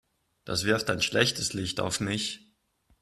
Das wirft ein schlechtes Licht auf mich.